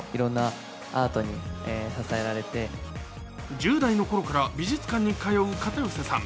１０代の頃から美術館に通う片寄さん。